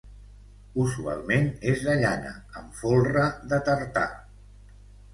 Usualment és de llana, amb folre de tartà.